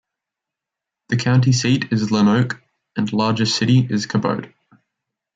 The county seat is Lonoke and largest city is Cabot.